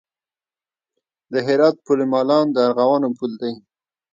د هرات پل مالان د ارغوانو پل دی